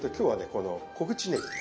この小口ねぎ。